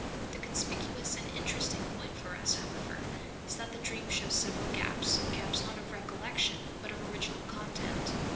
The conspicuous and interesting point for us, however, is that the dream shows several gaps, gaps not of recollection, but of original content.